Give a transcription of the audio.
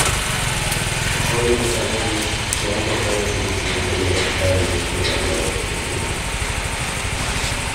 Solo los arroyos se han cortado en su curso superior valles relativamente profundos.